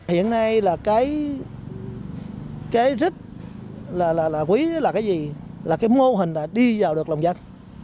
hiện nay là cái rất là quý là cái gì là cái mô hình đã đi vào được lòng dân